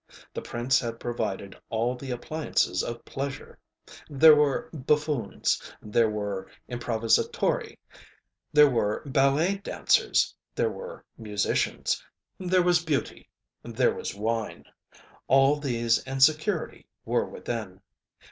The prince had provided all the appliances of pleasure. There were buffoons, there were improvisatori, there were ballet dancers, there were musicians, there was Beauty, there was wine. All these and security were within.